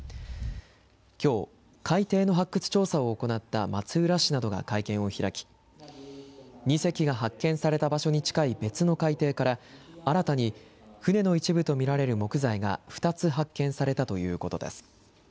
きょう、海底の発掘調査を行った松浦市などが会見を開き、２隻が発見された場所に近い別の海底から、新たに船の一部と見られる木材が２つ発見されたということです。